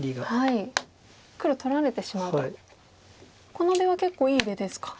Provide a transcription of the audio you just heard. この出は結構いい出ですか。